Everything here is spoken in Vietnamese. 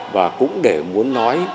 và cũng để muốn nói